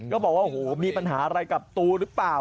ก็บอกว่าโอ้โหมีปัญหาอะไรกับตูหรือเปล่า